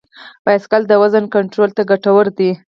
بایسکل د وزن کنټرول ته ګټور دی.